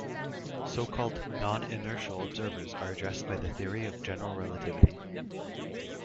So-called non-inertial observers are addressed by the theory of general relativity.